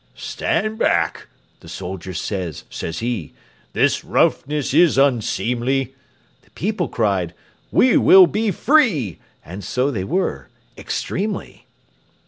"Stand back!" the soldier says, says he; "This roughness is unseemly!" The people cried, "We will be FREE!" And so they were extremely!